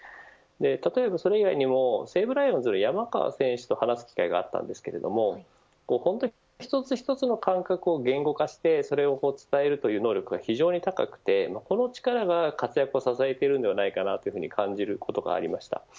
例えばそれ以外にも西武ライオンズの山川選手と話す機会があったんですけれども本当に一つ一つの感覚を言語化してそれを伝えるという能力が非常に高くてこの力が活躍を支えているんではないかなというふうに感じることがありました。